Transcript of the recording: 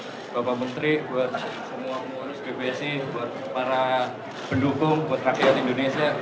terima kasih ya buat bapak menteri buat semua pengurus bpsi buat para pendukung buat rakyat indonesia